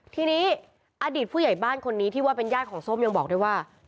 ทีนี้อดีตผู้ใหญ่บ้านคนนี้ที่ว่าเป็นญาติของส้มยังบอกด้วยว่า